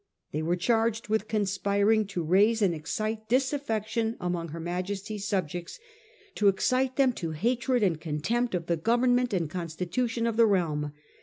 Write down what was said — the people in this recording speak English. They were charged with conspiring to raise and excite disaffection among her Majesty's subjects, to excite them to hatred and contempt of the Government and Constitution of the realm.